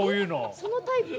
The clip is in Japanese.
◆そのタイプ？